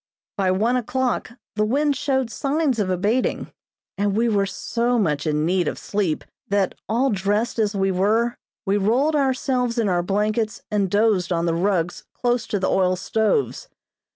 By one o'clock the wind showed signs of abating, and we were so much in need of sleep, that, all dressed as we were, we rolled ourselves in our blankets and dozed on the rugs close to the oil stoves.